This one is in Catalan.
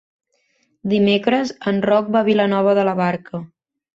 Dimecres en Roc va a Vilanova de la Barca.